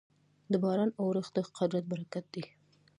د باران اورښت د قدرت برکت دی.